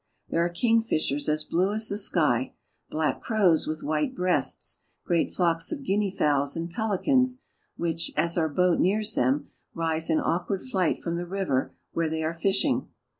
There are kingfishers as blue as the sky, black crows with white breasts, great flocks of guinea fowls and pelicans, which, as our boat nears them, rise in awkward flight from the river where they are fishing.